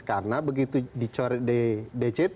karena begitu dicoret di dct